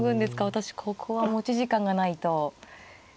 私ここは持ち時間がないと。